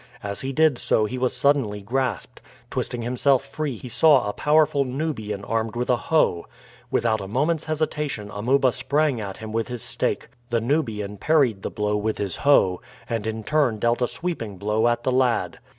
As he did so he was suddenly grasped. Twisting himself free he saw a powerful Nubian armed with a hoe. Without a moment's hesitation Amuba sprang at him with his stake. The Nubian parried the blow with his hoe, and in turn dealt a sweeping blow at the lad.